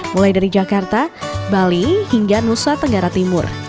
mulai dari jakarta bali hingga nusa tenggara timur